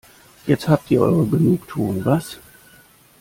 Jetzt habt ihr eure Genugtuung, was?